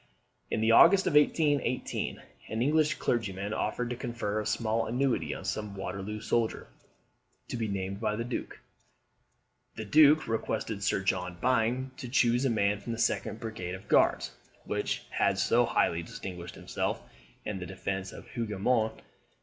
In the August of 1818, an English clergyman offered to confer a small annuity on some Waterloo soldier, to be named by the Duke. [Siborne, vol. i. p. 391.] The Duke requested Sir John Byng to choose a man from the 2d Brigade of Guards, which had so highly distinguished itself in the defence of Hougoumont.